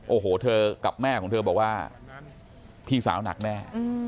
โอ้โหเธอกับแม่ของเธอบอกว่าพี่สาวหนักแน่